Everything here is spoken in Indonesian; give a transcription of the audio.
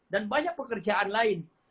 dan banyak pekerjaan lain